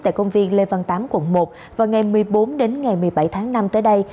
tại công viên lê văn tám quận một vào ngày một mươi bốn đến ngày một mươi bảy tháng năm tới đây